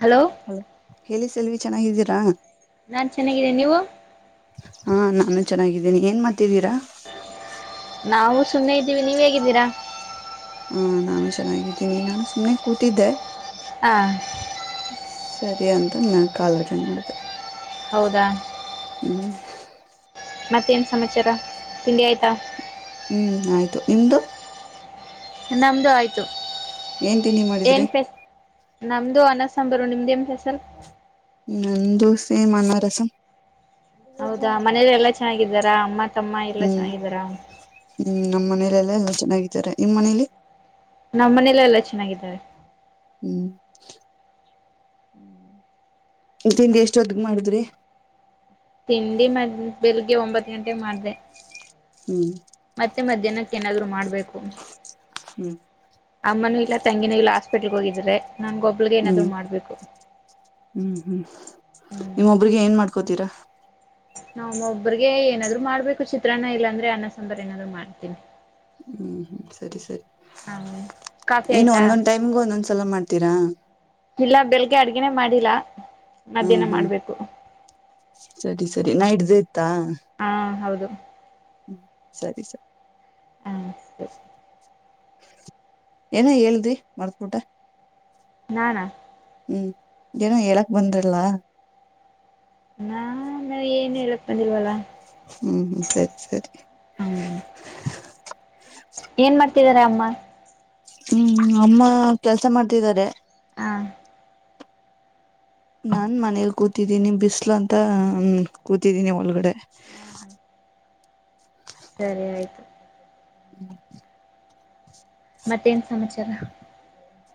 Hello ಹ ಹೇಳಿಸಲ್ವಿ ಚೆನ್ನಾಗಿದ್ದೀರಾ? ನಾನ್ ಚೆನ್ನಾಗಿದ್ದೀನಿ ನೀವು ಹಾ ನಾನು ಚೆನ್ನಾಗಿದ್ದೇನಿ ಏನ್ ಮಾಡ್ತಿದ್ದೀರಾ? ನಾವು ಸುನ್ನೆ ಇದ್ದೀವಿ ನೀವು ಹೇಗಿದ್ದೀರಾ? ಹಾ ನಾನು ಚೆನ್ನಾಗಿದ್ದೀನಿ ನಾನು ಸುಮ್ನೆ ಕೂತಿದ್ದೆ. ಹಾ ಸರಿ ಅಂತ ನಾ ಕಾಲ್ ಅಟೆಂಡ್ ಮಾಡ್ದೆ. ಹೌದಾ. ಹ್ಮ್. ಮತ್ತೇನ ಸಮಾಚಾರ ತಿಂಡಿ ಆಯ್ತಾ? ಹ್ಮ್ ಆಯ್ತು ನಿಮ್ದು - ನಮ್ದು ಆಯ್ತು. ಏನ್ ತಿಂಡಿ ಮಾಡಿದ್ರಿ? ಏನ್ ಫೆಸ್ ನಮ್ದು ಅನ್ನ ಸಾಂಬಾರು ನಿಮ್ದೇನು ಸ್ಪೆಯಲ್? ನಮ್ದು ಸೇಮ್ ಅನ್ನ ರಸಂ. ಹೌದಾ ಮನೇಲಿ ಎಲ್ಲಾ ಚೆನ್ನಾಗಿದ್ದಾರಾ ಅಮ್ಮ ತಮ್ಮ ಎಲ್ಲಾ ಹ್ಮ್ ಚೆನ್ನಾಗಿದ್ದಾರ. ಹ್ಮ್ ನಮ್ಮ್ ಮನೇಲೆಲ್ಲ ಎಲ್ಲ ಚೆನ್ನಾಗಿದ್ದಾರೆ ನಿಮ್ಮ್ ಮನೇಯಲ್ಲಿ? ನಮ್ಮ್ ಮನೆಯಲ್ಲ ಎಲ್ಲ ಚೆನ್ನಾಗಿದ್ದಾರೆ. ಹ್ಮ್. ತಿಂಡಿ ಎಷ್ಟೊದಿಗ್ ಮಾಡಿದ್ರಿ. ತಿಂಡಿ ಮ ಬೆಳಿಗ್ಗೆ ಒಂಬತ್ ಗಂಟೆಗೆ ಮಾಡ್ದೆ. ಹ್ಮ್. ಮಾಡ್ಬೇಕು ಹ್ಮ್. ಅಮ್ಮನೂ ಇಲ್ಲ ತಂಗಿನೂ ಇಲ್ಲ ಹಾಸ್ಪಿಟಲ್ಗೆ ಹೋಗಿದರೆ ಹ್ಮ್ ಹ್ಮ್ ನಿಮ್ಮೊಬ್ರಿಗೆ ಏನ್ ಮಾಡ್ತ ಕೋತೀರಾ ನಾವ ಒಬ್ಬ್ರಗೆ ಏನಾದ್ರು ಮಾಡ್ಬೇಕು ಚಿತ್ರಾನ್ನ ಇಲ್ಲಾಂದ್ರೆ ಅನ್ನ ಸಾಂಬಾರ್ ಏನಾದ್ರು ಮಾಡ್ತೀನಿ ಹ್ಮ್ ಹ್ಮ್ ಸರಿ ಸರಿ ಹ ಕಾಫಿ ಇನ್ ಆಯ್ತಾ ಒಂದೊಂದ್ ಟೈಮ್ಗೆ ಒಂದೊಂದ್ಸಲ ಮಾಡ್ತೀರಾ ಇಲ್ಲ ಬೆಳಗ್ಗೆ ಅಡ್ಗನೆೇ ಮಾಡಿಲ್ಲಾ ಹ್ಮ್ ಹ್ಮ್ ಸರಿ ಸರಿ ನೈಟ್ ದು ಹಾ ಹೌದು ಹ್ಮ ಸರಿ ಸರಿ ಹು ಸರಿ ಏನ ಹೇಳಿದ್ರಿ ಮರ್ತ್ಬಿಟ್ಟೆ ನಾನಾ ಹ್ಮ್ ಏನೋ ಹೇಳಕ್ ಬಂದ್ರಲ್ಲ ನಾ ನಾನ್ ಏನು ಹೇಳಕ್ ಬಂದಿಲ್ವಲ್ಲ ಹ್ಮ್ ಹ್ಮ್ ಸರಿ ಸರಿ ಹ್ಮ್ ಏನ್ ಮಾಡ್ತಿದಾರೆ ಅಮ್ಮ ಹ್ಮ್ ಅಮ್ಮ ಕೆಲ್ಸ ಮಾಡ್ತಿದ್ದಾರೆ ಹ ನಾನ್ ಹ ಮನೇಲಿ ಕೂತಿದಿನಿ ಬಿ ಬಿಸಲು ಅಂತ ಕೂತಿದ್ದೀನಿ ಒಳಗಡೆ ಹ ಸರಿ ಆಯ್ತು ಹ್ಮ್ ಮತ್ತೇನ್ ಸಮಾಚಾರ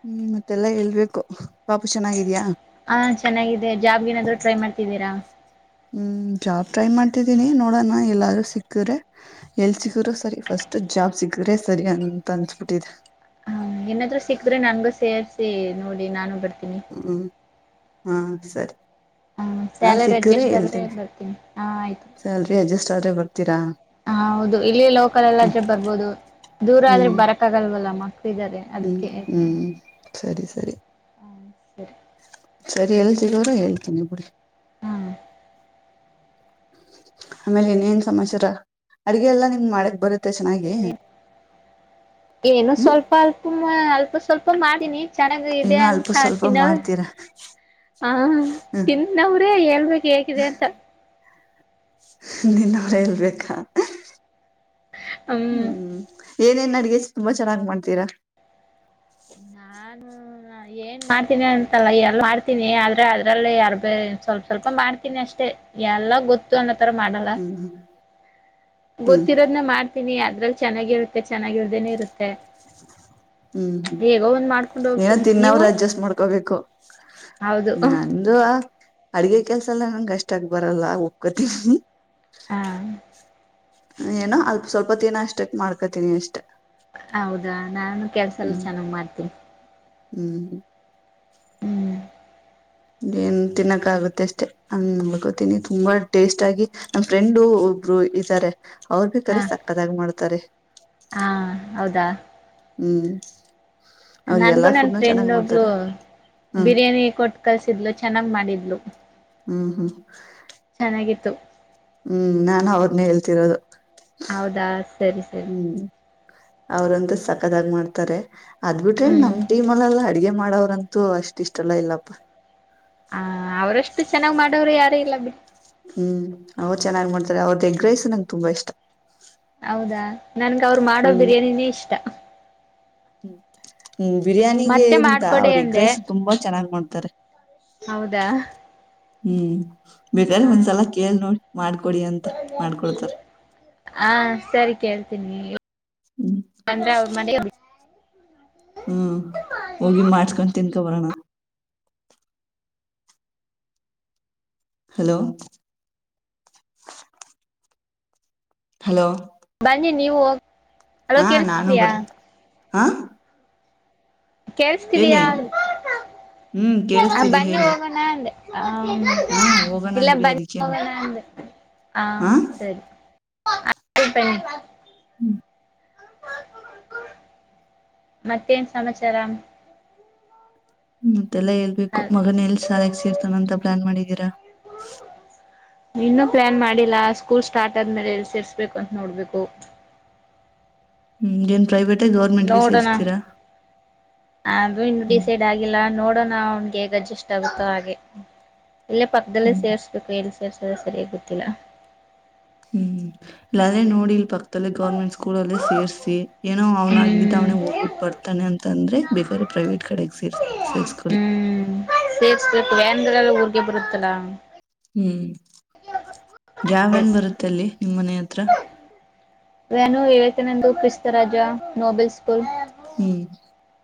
ಹ್ಮ್ ಮತ್ತೆಲ್ಲ ಹೇಳ್ಬೇಕು ಪಾಪು ಚೆನ್ನಾಗಿದ್ಯಾ ಹಾ ಚೆನ್ನಾಗಿದೆ ಜಾಬ್ ಏನಾದ್ರು ಟ್ರೈ ಮಾಡ್ತಿದ್ದೀರಾ ಹ್ಮ್ ಜಾಬ್ ಟ್ರೈ ಮಾಡ್ತಿದ್ದೀನಿ ನೋಡೋಣ ಎಲ್ಲಾರೂ ಸಿಕ್ಕ್ರೆ ಎಲ್ ಸಿಕ್ಕರರು ಸರಿ ಫಸ್ಟ್ ಜಾಬ್ ಸಿಗ್ರೆದ್ರೆ ಸರಿ ಅಂತ ಅನ್ಸ್ಬಿಟ್ಟಿದೆ ಹ್ಮ ಏನಾದ್ರು ಸಿಕ್ಕದ್ರೆ ನನ್ಗೂ ಸೇರ್ಸಿ ನೋಡಿ ನಾನು ಬರ್ತೀನಿ ಹ್ಮ್ ಹಾ ಸರಿ ಹ ನಾ ಸ್ಯಾಲರಿ ಸಿಕ್ದರೆ ಅಡ್ಜಸ್ಟ್ ಆದ್ರೆ ಹೇಳ್ತೇನಿ ಬರ್ತೀನಿ ಹಾ ಆಯ್ತು ಸ್ಯಾಲ್ರಿ ಅಡ್ಜಸ್ಟ್ ಆದ್ರೆ ಬರ್ತೀರಾ ಹ ಹೌದು ಇಲ್ಲಿ ಲೋಕಲ್ ಎಲ್ಲಾದ್ರೆ ಬರ್ಬೋದು ದೂರ ಆದ್ರೆ ಹ್ಮ್ ಬರಕ ಆಗಲ್ವಲ್ಲಮ್ಮ ಹ್ಮ್ ಹ್ಮ್ ಸರಿ ಸರಿ ಹ ಸರಿ ಸರಿ ಹೇಳ್ತರ ಅವರ ಹೇಳ್ತೀನಿ ಬುಡಿ ಹಾ ಆಮೇಲೆ ಇನ್ನೇನ್ ಸಮಾಚಾರ ಅಡಗೆ ಎಲ್ಲಾ ನಿಮ್ ಮಾಡಕ್ ಬರುತ್ ಏನು ಹ್ಮ್ ಸ್ವಲ್ಪ ಅಲ್ಪ ಅಲ್ಪ ಸ್ವಲ್ಪ ಮಾಡಿನಿ ಚೆನ್ನಾಗ ಇದೆ ಏನೋ ಅಲ್ಪ ಅಂತ ಸ್ವಲ್ಪ ತಿನ್ನೋವ್ರೆ ಮಾಡ್ತೀರಾ ಹಾ ಹ್ಮ್ ತಿನ್ನೋವ್ರೆ ಹೇಳ್ಬೇಕ ಹೇಗಿದೆ ಅಂತ ತುನೋವ್ರೆ ಹೇಳ್ಬೇಕಾ ಹ್ಮ್ ಏನೇನ್ ಅಡಿಗೆ ತುಂಬಾ ಚೆನ್ನಾಗ್ ಮಾಡ್ತೀರಾ ನಾನು ಹ ಏನ್ ಮಾಡ್ತೀನಿ ಅಂತಲ್ಲ ಎಲ್ ಮಾಡ್ತೀನಿ ಆದ್ರೆ ಅದ್ರಲ್ಲಿ ಯಾರ್ ಬೇ ಸ್ವಲ್ಪ ಸ್ವಲ್ಪ ಮಾಡ್ತೀನಿ ಅಷ್ಟೇ ಎಲ್ಲ ಗೊತ್ತು ಅನ್ನ ತರ ಮಾಡಲ್ಲ ಹ್ಮ್ ಹ್ಮ್ ಗೊತ್ತಿರೋದ್ನ ಮಾಡ್ತೀನಿ ಅದ್ರಲ್ಲಿ ಚೆನ್ನಾಗಿರುತ್ತೆ ಚೆನ್ನಾಗಿಲ್ದೇನೆ ಇರುತ್ತೆ ಹ್ಮ್ ಹ್ಮ್ ಹೇಗೋ ಒಂದ್ ಮಾಡ್ಕೊಂಡು ಏನೊ ಹೋಗ್ತೀನಿ ನೀವು ತಿನ್ನವ್ರ ಅಡ್ಜಸ್ಟ್ ಮಾಡ್ಕೋಬೇಕು ಹೌದು ನಂದು ಅಡ್ಗೆ ಕೆಲ್ಸ ಎಲ್ಲ ನಂಗ ಅಷ್ಟಕ್ ಬರಲ್ಲ ಒಪ್ಕೊತನಿ ಹಾ ಏನೋ ಅಲ್ಪ ಸ್ವಲ್ಪ ದೀನ ಅಷ್ಟಕ್ ಮಾಡ್ಕೊತೀನಿ ಅಷ್ಟೇ ಹೌದಾ ನಾನು ಕೆಲ್ಸ ಎಲ್ಲ ಚೆನ್ನಾಗ್ ಮಾಡ್ತೀನಿ ಹ್ಮ್ ಹ್ಮ. ಹ್ಮ್ ಏನ್ ತಿನ್ನಕ್ಕ ಆಗುತ್ತೆ ಅಷ್ಟೇ [unintelligible] ಬಕೊತೀನಿ ತುಂಬಾ ಟೇಸ್ಟ್ ಆಗಿ ನಮ ಫ್ರೆಂಡು. ಒಬ್ರು ಇದ್ದಾರೆ ಅವ್ರರು ಬೀಕರೆ ಹ ಸಕ್ಕದಾಗ ಮಾಡ್ತಾರೆ. ದ [inaudible] ಹ್ಮ್. ಅವ್ರು ನನ್ಗೂ ಎಲ್ಲಾ ನನ್ ಫುಡ್ನು ಚೆನ್ನಾಗ್ ಫ್ರೆಂಡ್ ಒಬ್ಳ ಮಾಡ್ತಾರೆ ಹ್ಮ್ ಬಿರಿಯಾನಿ ಕೊಟ್ಟ ಕಲ್ಸಿದ್ಲು ಚೆನ್ನಾಗ್ ಮಾಡಿದ್ಲು. ಹ್ಮ್ ಹ್ಮ್. [unintelligible] ಹ್ಮ್ ನಾನು ಅವ್ರನೆೇ ಹೇಳ್ತಿರೋದು. ಹೌದಾ ಸರಿ ಸರಿ. ಅವ್ರಂತ ಸಕದಾಗ ಮಾಡ್ತಾರೆ ಅದ್ ಬಿಟ್ರೆ ನಮ್ ಹ್ಮ್ ಟೀಮ್ಲ್ಲೆಲ್ಲ. ಅಡ್ಗೆ ಮಾಡೋವ್ರಂತೂ ಅಷ್ಟ ಇಷ್ಟಲ್ಲ ಇಲ್ಲಪ್ಪ. ಹ ಅವ್ರಷ್ಟು ಚೆನ್ನಾಗ್ ಮಾಡೋರು ಯಾರು ಇಲ್ಲ ಬಿ ಹ್ಮ್ ಅವ್ ಚೆನ್ನಾಗ್ ಮಾಡ್ತಾರೆ ಅವ್ರ ಎಗ್ರೈಸ ನಂಗ್ ತುಂಬಾ ಇಷ್ಟ. ಹೌದಾ ನನ್ಗ ಅವರು ಮಾಡೋ ಹ್ಮ್ ಬಿರಿಯಾನಿನೇ ಇಷ್ಟ. ಹ್ಮ್ ಹ್ಮ್ ಬಿರಿಯಾನಿಗೆ ಮತ್ತೆ ಇಂತ ಮಾಡ್ಕೊಡಿ ಅವ್ರು ಎಗ್ ಅಂದೆ ರೈಸ್ ತುಂಬಾ ಚೆನ್ನಾಗಿ ಮಾಡ್ತಾರೆ. ಹೌದಾ. ಹ್ಮ್ ಬೇಕ್ರ ಹ ಒಂದ್ಸಲ ಕೇಳ್ ನೋಡಿ ಮಾಡ್ಕೊಡಿ ಅಂತ ಮಾಡ್ಕೊಡ್ತಾರ. ಹಾ ಸರಿ ಕೇಳ್ತೀನಿ ಹ್ಮ್ ಅಂದ್ರ ಅವ ಮನೆ. ಹ್ಮ್ ಹೋಗಿ ಮಾಡ್ಸ್ಕೊಂಡ್ ತಿನ್ಕೊ ಬರೋಣ. ಹಲೋ. ಹಲೋ. ಬನ್ನಿ ನೀವು ಹೋಗ್ ಅಲೋ ಹಾ ನಾನು ಕೆಲ್ಸಿದಯಾ. ಬರ್ ಹಾ. ಹೇಳಿ ಕೇಳ್ಸ್ತಿದಯಾ ಹ್ಮ್ ಕೇಳಿಸ್ತಿದೆ ಬನ್ನಿ ಹೇಳಿ ಹೋಗೋಣ ಅಂದೆ. ಹ್ಮ ಹಾ ಹೋಗೋಣ ಇಲ್ಲ ಬಿಡಿ ಬನ್ನ ಅದಕ್ಕೇನು ಹೋಗೋಣ ಅ ಹಾ ಹ ಸರಿ. [unintelligible] ಮತ್ತೇನ್ ಸಮಾಚಾರಾ. ಮತ್ತೆಲ್ಲಾ ಹೇಳ್ಬೇಕು ಮಗನ್ ಎಲ್ ಸಾಲಯಕ್ ಸೇರ್ತಾನ ಅಂತ ಪ್ಲಾನ್ ಮಾಡಿದೀರಾ. ಇನ್ನುೂ ಪ್ಲಾನ್ ಮಾಡಿಲ್ಲಾ ಸ್ಕೂಲ್ ಸ್ಟಾರ್ಟ್ ಆದ್ಮೇಲೆ ಎಲ್ಲಿ ಸೇರ್ಸ್ಬೇಕು ಅಂತ ನೋಡ್ಬೇಕು. ಹ್ಮ್ ಏನ್ ಪ್ರೈವೇಟ್. ನೋಡೋಣ ಅದು ಇನ್ನು ಹ್ಮ್ ಡಿಸೈಡ್ ಆಗಿಲ್ಲ ನೋಡೋಣ. ನಾ ಅವನ್ ಹೇಗ್ ಅಡ್ಜಸ್ಟ್ ಆಗುತ್ತೋ ಹಾಗೆ ಎಲ್ಲೇ ಪಕ್ಕದಲ್ಲೇ ಹ್ಮ್ ಸೇರ್ಸ್ಬೇಕು ಎಲ್ಲಿ ಸೇರ್. ಸರಿಯಾಗಿ ಗೊತ್ತಿಲ್ಲ. ಹ್ಮ್ ಇಲ್ಲಾದೆ ನೋಡಿಲ್ ಪಕ್ಕದಲ್ಲ ಗೌರ್ಮೆಂಟ್ ಸ್ಕೂಲ್ ಅಲ್ಲ ಸೇರ್ಸಿ. ಏನೋ ಅವ್ನಾಗಲಿದ್ದ ಹ್ಮ್ ಅವನಗ್ ಹೋಗ್ಬಿಟ್ಟು ಬರ್ತಾನೆ ಅಂದ್ರೆ ಬೇಕಾರೆ ಪ್ರೈವೇಟ್ ಕಡೆಗ್ ಸೇರ್ಸಿ. ಸೇರಿಸಕೊಳ್ಳಿ. ವ್ಯಾನ್ ಗಳು ಊರಿಗೆ ಬರುತ್ತಲ್ಲ. ಹ್ಮ್ ಯಾವ ನ್ ಸೇರ್ಸ ಬರುತ್ತೆ ಅಲ್ಲಿ ನಿಮ್ಮ್ ಮನೆ ಹತ್ರ. ನಾನು ಹೇಳ್ತೇನೆಂದು ಕ್ರಿಸ್ತರಾಜ ನೋಬೆಲ್ಸ್. ಹ್ಮ್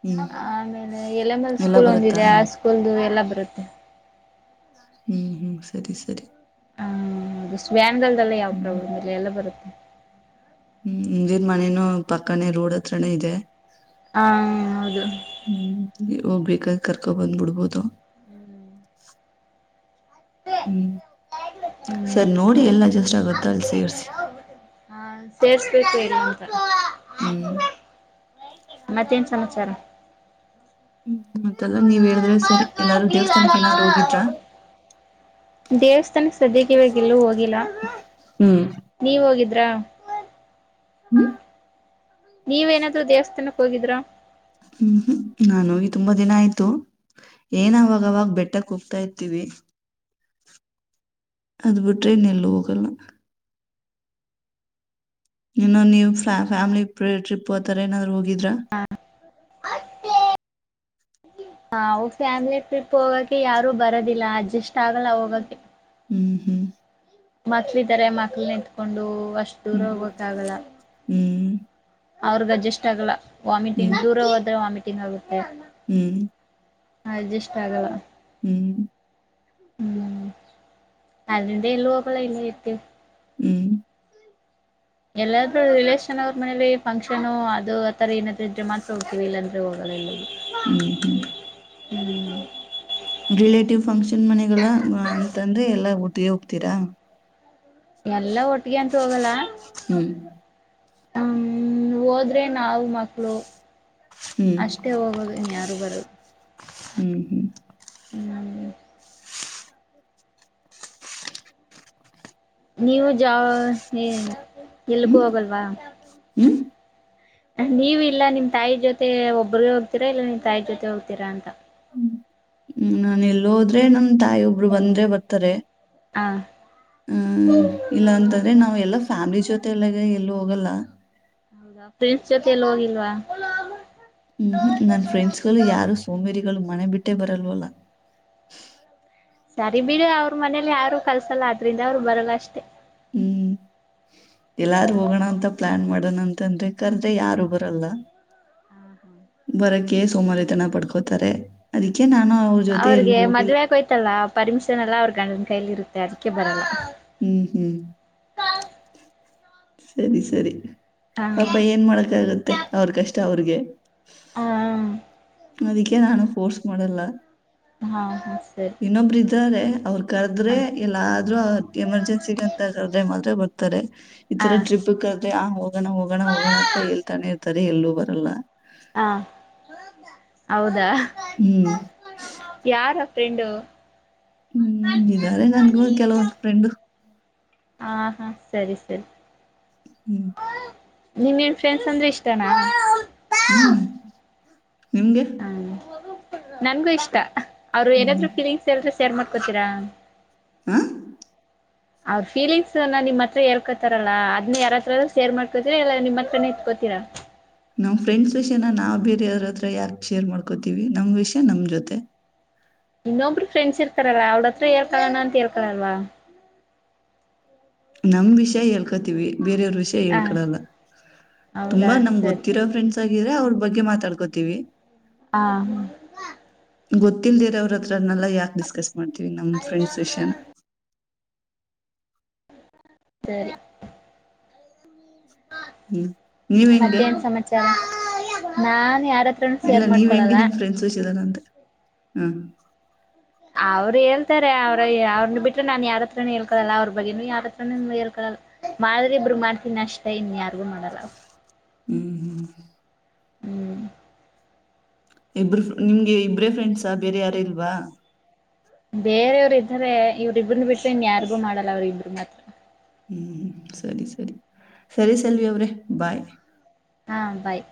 ಹ್ಮ್ ಆಮೇಲೆ ಎಲೆ ಮೇ ಎಲ್ಲ ಸ್ಕೂಲ್ ಬರುತ್ತಾ ಒಂದಿದೆ ಆ ಹ್ಮ್ ಸ್ಕೂಲ್ ಎಲ್ಲ. [inaudible] ಹ್ಮ್ ಹ್ಮ್ ಸರಿ ಸರಿ. ಹೌದು ಸ್ವ್ಯಾನ್ಲ್ಲ್ ಯಾವ ಹ್ಮ್ ಪ್ರಾಬ್ಲಮ್ ಇಲ್ಲ ಎಲ್ಲ ಬರುತ್ತೆ. ಹ್ಮ್ [inaudible] ದಿರ್ ಮನೇನೂ ಪಕ್ಕಾನೇ ರೋಡ್ ಹತ್ರನ ಇದೆ. ಹಾ ಹೌದು. ಹೋಗ್ಬೇಕಾದ ಕರ್ಕೊ ಬಂದ್ಬ ಬಿಡ್ಬೋದು. ಹ್ಮ್ ಸರ್ ಹ್ಮ್ ನೋಡಿ ಸರಿ ಎಲ್ಲ ಜಸ್ಟ್ ಆಗತ್ತ ಅಲ್ಲಿ ಸೇರ್ಸಿ. ಹಾ ಸೇರಿಸ ಹ್ಮ್ [unintelligible] ಮತ್ತೇನ್ ಸಮಾಚಾರ. ಹ್ಮ್- ಮತ್ತಲ್ಲ ನೀವ ಹೇಳಿದ್ರೆ ಸರಿ ಎಲ್ಲಾರು ದೇವಸ್ಥಾನಕ್ಕೆ ಏನಾದ್ರು ಹೋಗಿದ್ದೇ ದೇವಸ್ಥಾನಕ್ಕೆ ಸದ್ಯಕ್ಕೆ ಇಲ್ ಹೋಗಿಲ್ಲ ಹ್ಮ್ ನೀವ ಹೋಗಿದ್ದ. ತ್ತ [unintelligible] ಹ್ಮ [inaudible] ನೀವೇಏನಾದೂ ದೇವಸ್ಥಾನಕ್ಕೆ ಹೋಗಿದ್ರ. ಹ್ಮ್- ನಾನು ತುಂಬಾ ದಿನ ಆಯ್ತು ಏನವಾಗವಾಗ ಬೆಟ್ಟಕ್ ಹೋಗತಾ ಇರ್ತೀವಿ. ಅದ ಬಿಟ್ರೆನ್ ಎಲ್ಲ ಹೋಗಲ್ಲ. ಇನ್ನೊ ನೀವ್ ಫ್ಯಾಮಿಲಿ ಟ್ರಿಪ್ ಹತರ ಏನಾದ್ರು ಹೋಗಿದ್ರಾ. ಹ -ಫ್ಯಾಮಿಲಿ ಟ್ರಿಪ್ ಹೋಗಕ ಯಾರು ಬರೋದಿಲ್ಲ ಅಡ್ಜಸ್ಟ್ ಆಗಲ್ಲ ಹೋಗಕ್ಕೆ. ಹ್ಮ್ -ಹ್ಮ್ ಮಕ್ಳ ಇದಾರೆ ಮಕ್ಳ ನಿತ್ಕೊಂಡು ಅಷ್ಟ್ ದೂರ ಹ್ಮ್ ಹೋಗ್ಬೇಕಕ್ ಆಗಲ್ಲ. ಅವ್ರಗ್ ಅಜಸ್ಟ್ ಆಗಲ್ಲ ವಾಮಿಟಿಂಗ್ ಹ್ಮ್ ದೂರ ಹೋದ್ರೆ ವಾಮಿಟಿಂಗ್ ಆಗುತ್ತೆ. ಹ್ಮ್ ಅಡ್ಜಸ್ ಆಗಲ್ಲ. ಹ್ಮ್ [inaudible] ಹ್ಮ್- ಅದ ಎಲ್ಲ ಹಬಳ ಇಲ್ಲತ್ತು ಹ್ಮ್ ಎಲ್ಲಾದೂ ರಿಲೇಶನ್ ಅವ್ರ ಮನೇಲಿ ಫಂಕ್ಷನ್ ಅದು ಆತರ ಏನಾದ್ ಇದ್ರೆ ಮಾತ್ರ ಹೋಗ್ತೀವಿ ಇಲ್ಲಾಂದ್ರೆ ಹೋಗ. ಹ [inaudible] ಹ್ಮ್- ಹ್ಮ್ ಹ್ಮ್ ರಿಲೇಟಿವ್ ಫಂಕ್ಷನ್ ಮನೆಗಳ ಅಂತಂದ್ರೆ ಎಲ್ಲಾ ಒಟ್ಟಿಗೆ ಹೋಗ್ತೀರಾ. ಎಲ್ಲಾ ಒಟ್ಟಿಗೆ ಅಂತ ಹೋಗಲ್ಲ. ಹ್ಮ್ ಹ್ಮ್ -ಹೋದ್ರೆ ನವು ಮಕ್ಳು. ಹ್ಮ್ ಅಷ್ಟೇ ಹೋಗೋದು ಇನ್ ಯಾರು ಬರದು. ಹ್ಮ್- ಹ್ಮ್ ಹ್ಮ್ [inaudible] ನೀವು ಜಾ ಎಲ್ಕ್ಕೂ ಹ್ಮ್ ಹೋಗಲ್ವಾ. ಹ್ಮ್ ಹ್ಮ್ ನೀವ ಇಲ್ಲ ನಿಮ್ ತಾಯಿ ಜೊತೆ ಒಬ್ಬ್ರಗ ಹೋಗ್ತೀರಾ ಇಲ್ಲ ನಿಮ್ ತಾಯಿ ಜೊತೆ ಹೋಗ್ತೀರಾ ಅಂತ. ಹ್ಮ್- ನಾನ ಎಲ್ಲಿದ್ರೆ ನಮ ತಾಯಿ ಒಬ್ರು ಬಂದ್ರೆ ಬರ್ತಾರೆ. ಹಾ ಹ್ಮ್- ಇಲ್ಲ ಅಂತಂದ್ರೆ ನಾವ ಎಲ್ಲ ಫ್ಯಾಮಿಲಿ ಜೊತೆ ಎಲ್ಲ ಎಲ್ಲೂ ಹೋಗಲ್ಲ. ಹೌದಾ ಫ್ರೆಂಡ್ಸ್ ಜೊತೆ ಎಲ್ಲ ಹೋಗಿಲ್ವಾ. ಹ್ಮ್- ನನ್ ಫ್ರೆಂಡ್ಸ್ ಗಳು ಯಾರು ಸೋಮೇರಿ. ಮನೆ ಬಿಟ್ಟೇ ಬರಲ್ವಲ್ಲ. ಸರಿ ಬಿಡು ಅವ್ರ ಮನೇಲಿ ಯಾರು ಕಲ್ಸಲ್ಲ ಅದ್ರಿಂದ ಅವ್ರು ಬರಲ್ಲ ಅಷ್ಟೆ. ಎಲ್ಲಾರೂ ಹೋಗೋಣ ಅಂತ ಪ್ಲಾನ್ ಮಾಡೋಣ ಅಂತಂದ್ರೆ ಕಲ್ ಯಾರು ಬರಲ್ಲ. ಬರಕ್ಕೆ ಸೋಮಾರ ತನ ಪಡ್ಕೋತಾರೆ ಅದಕ್ಕೆ ನಾ- ಅವ್ರಿಗೆ ಮದ್ವೆ ಆಯ್ತಲ್ಲ ಪರ್ಮಿಷನ್ ಎಲ್ಲಾ ಅವ್ರ ಗಂಡನ್ ಕೈಲಿ ಇರುತ್ತೆ ಅದಕ್ಕೆ ಬರಲ್ಲ. ಹ್ಮ್ ಹ್ಮ್ ಸರಿ ಸರಿ ಪಾಪ ಹ ಏನ್ ಮಾಡಕ್ಕ ಆಗತ್ತೆ ಅವ್ರ ಕಷ್ಟ ಅವ್ರಿಗೆ. ಹಾ ನದಕ್ಕೆ ನಾನಫೋರ್ಸ್ ಮಾಡಡಲ್ಲ. ಹಾ ಹಾ ಸರಿ ಇನ್ನೊಬರು ಇದ್ದಾರೆ ಅವರು ಕರ್ದ್ರೆ ಹ ಎಲ್ಲ ಎಮರ್ಜೆನ್ಸಿ ಅಂತ್ರೆ ಮಾತ್ರ ಬರ್ತಾರೆ ಈತರ ಹ ಟ್ರಿಪ್. ಆ ಹೋಗೋಣ ಹೋಗೋಣ ಹೋಗೋಣ ಅಂತ ಹೇಳ್ತಾನೆ ಇರ್ತಾರೆ ಎಲ್ಲೂ ಬರಲ್ಲ. ಹ ಹೌದಾ ಹ್ಮ್ ರಂಡ ಹ್ಮ್ ಇದಾರೆ ನನ್ಗ ಕೆಲವೊಂದು್ ಫ್ರೆಂಡು ಹ ಹಾ ಸರಿ ಸರಿ. ಹ್ಮ್. ನಿನ್ ನಿನ್ ಫ್ರೆಂಡ್ಸ್ ಅಂದ್ರೆ ಇಷ್ಟನಾ. ಹ್ಮ್ ನಿಮ್ಗೆ. ಹ್ಮ ನನ್ಗೂ ಇಷ್ಟ ಅವ್ರು ಹ್ಮ್ ಏನಾದ್ರು ಹ್ಮ್ ಫೀಲಿಂಗ್ಸ್ ಎಲ್್ರೆ ಶೇರ್ ಮಾಡ್ಕೋತೀರಾ. ಹ. ಅವ್ರ ಫೀಲಿಂಗ್ಸ್ ನ ನಿಮ್ಮ ಹತ್ರ ಹರ್ಕೋತಾರಲ್ಲ ಅದ್ನ ಯಾರತ್ರದ ಸೇರ್ ಮಾಡ್ಕೋತಿೀರಿ ಇಲ್ಲ ನಿಮ್ಮ ಹತ್ರ ನಿತ್ಕೋ. ತಿರ. ನಮ್ ಫ್ರೆಂಡ್ಸ್ ವಿಷಯನ ನಾವವು್ ಬೇರೆ ಯಾರ ಹತ್ರ ಯಾಕ ಶೇರ್ ಮಾಡ್ಕೋತೀವಿ ನಮ್ ವಿಷಯ ನಮ್ ಜೊತೆ. ಇನ್ನೊಬ್ರು ಫ್ರೆಂಡ್ಸ್ರ್ತಾರಲ್ಲ ಅವ್ರ ಹತ್ರ ರ್ಕಳಣ ಅಂತೇಳ್ಕಳಲ್ವಾ. ನಮ್ ವಿಷಯ ಹೇಳ್. ವಿ ಬೇರೆಯವ್ರ ವಿಷಯ ಹಾ ಹೇಳ್ಕಡಲ್ಲ ಹೌದಾ ತುಂಬಾ ನಮ್ ಸರಿ ಗೊತ್ತಿರೋ ಫ್ರೆಂಡ್ಸ್ ಆಗಿದ್ರೆ ಅವ್ರ. ಬಗ್ಗೆ ಮಾತಾಡ್ಕೋತೀವಿ. ಹ ಹ. ಗೊತ್ತಿಲ್ದಿರ ಅವ್ರ ಹತ್ರನೆೆಲ್ಲ ಯಾಕೆ ಡಿಸ್ಕಸ್ ಮಾಡ್ತೀವಿ ನಮ್ ಫ್ರೆಂಡ್ಸ್ ವಿಷಯನ. ಸರಿ. ಹ್ಮ್ ನೀವ್ ಹೆಂಗೆ ಮತ್ತೇನ್ ಸಮಾಚಾರ ನಾನ್ ಯ. ಇಲ್ಲ ನೀವ್ ಹೆಂಗೆ ನಿಮ್ ಫ್ರೆಂಡ್ಸ್ ಹಚದಾನಂತೆ ಹ. ಅವ್ರು ಹೇಳ್ತಾರೆ ಅವ್ರ ಅವ್ರನ್ನ ಬಿಟ್ರೆ ನಾನ್ ಯಾರತ್ರನೇ ಹೇಳ್ಕಳಲ್ಲ ಅವ್ರ ಬಗ್ಗೆನು ಯತ್ರ ಹೇಳ್ಕಲ್ಲ. ಮಾಡ್ರೆ ಇಬರು ಮಾಡ್ತೀನಿ ಅಷ್ಟ ಇನ್ ಯಾರಿಗು ಮಾಡಲ್ಲ. ಹ್ಮ್ ಹ್ಮ್. ಹ್ಮ್. ಇಬ್ರು ನಿಮ್ಗೆ ಇಬ್ರೇ ಫ್ರೆಂಡ್ಸಾ ಬೇರೆ ಯಾರ ಇಲ್ವಾ. ಬೇರೆಯವರು ಇದ್ದಾರೆ ಇವ್ರ ಇಬ್ರನ್ನ ಬಿಟ್ರೆನ್ ಯಾರಿಗು ಮಾಡಲ್ಲ ಅವ್ರ ಇಬ್ಬ್ರ ಮಾತ್ರ. ಹ್ಮ್ ಹ್ಮ್ ಸರಿ ಸರಿ ಸರಿ ಸೆಲ್ವಿ ಅವ್ರೆ ಬಾಯ್. ಹಾ ಬಾಯ್.